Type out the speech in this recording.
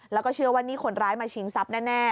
แล้วก็เชื่อว่านี่คนร้ายมาชิงทรัพย์แน่